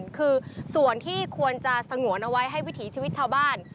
คือส่วนที่ควรจะสงวนเอาไว้ให้วิถีชีวิตชาวบ้าน